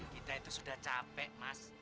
kita itu sudah capek mas